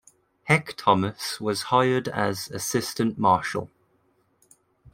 Heck Thomas was hired as assistant marshal.